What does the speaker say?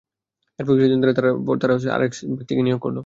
এর কিছুদিন পরেই তারা তার স্থানে আরেক ব্যক্তিকে নিয়োগ করল।